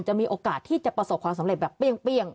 มีโอกาสที่จะประสบความสำเร็จแบบเปรี้ยง